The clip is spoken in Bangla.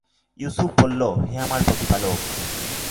ইউসুফ বলল, হে আমার প্রতিপালক!